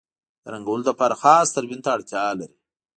د رنګولو لپاره خاص تلوین ته اړتیا لري.